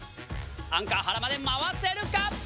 アンカーはらまで回せるか？